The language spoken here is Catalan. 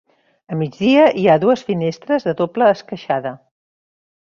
A migdia hi ha dues finestres de doble esqueixada.